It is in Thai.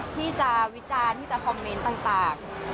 ที่จะวิจารณ์ที่จะคอมเมนต์ต่าง